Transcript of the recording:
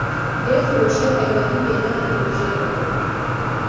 lê firoşer ewlehî pê neanî û jê re got